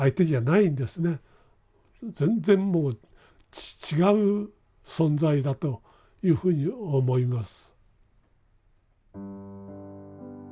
全然もう違う存在だというふうに思います。